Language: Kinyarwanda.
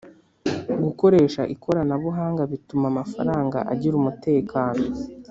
Gukoresha ikoranabuhanga bituma amafaranga agira umutekano.